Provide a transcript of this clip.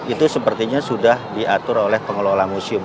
itu sepertinya sudah diatur oleh pengelola museum